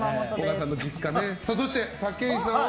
そして、武井さんは？